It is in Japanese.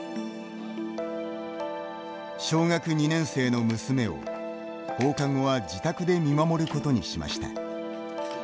小学２年生の娘を、放課後は自宅で見守ることにしました。